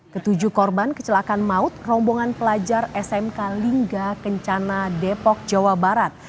ketujuh korban kecelakaan maut rombongan pelajar smk lingga kencana depok jawa barat